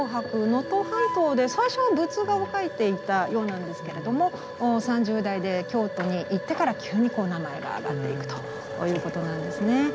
能登半島で最初は仏画を描いていたようなんですけれども３０代で京都に行ってから急に名前があがっていくということなんですね。